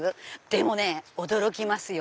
でもね驚きますよ。